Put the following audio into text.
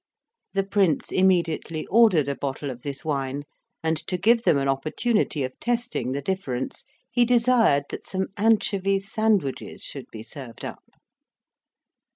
The Prince immediately ordered a bottle of this wine; and to give them an opportunity of testing the difference, he desired that some anchovy sandwiches should be served up.